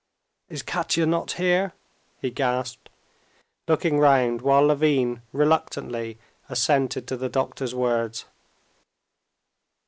"Is Katya not here?" he gasped, looking round while Levin reluctantly assented to the doctor's words.